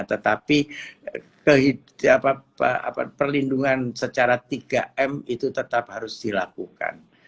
tetapi perlindungan secara tiga m itu tetap harus dilakukan